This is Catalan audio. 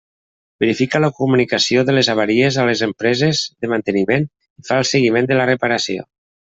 Verifica la comunicació de les avaries a les empreses de manteniment i fa el seguiment de la reparació.